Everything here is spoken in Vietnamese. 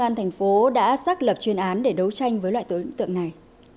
công an thành phố đã xác lập chuyên án để đấu tranh với loại tội tượng này